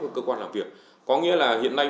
của cơ quan làm việc có nghĩa là hiện nay